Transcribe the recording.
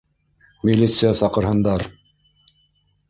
Милиция саҡырһындар!